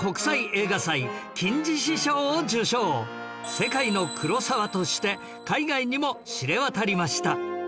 「世界のクロサワ」として海外にも知れ渡りました